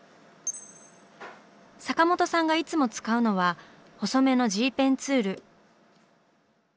坂本さんがいつも使うのは細めのＧペンツール。